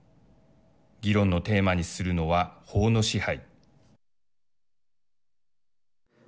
議論のテーマにするのは法の支配。